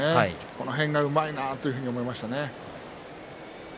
この辺がうまいなというふうに思いました。